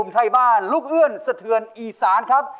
ช่วยฝังดินหรือกว่า